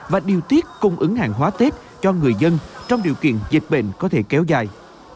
và điều tiết cung ứng hàng hóa tết cho người dân trong điều kiện dịch bệnh có thể kéo dài